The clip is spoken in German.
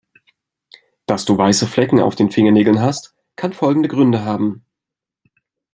Dass du weiße Flecken auf den Fingernägeln hast, kann folgende Gründe haben.